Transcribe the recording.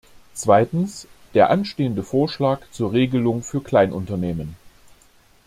Zweitens, der anstehende Vorschlag zur Regelung für Kleinunternehmen.